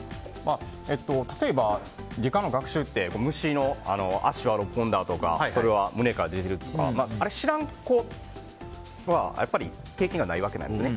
例えば、理科の学習って虫の足は６本だとかそれは胸かとか知らん子は経験がないわけですね。